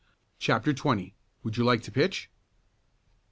CHAPTER XX "WOULD YOU LIKE TO PITCH?"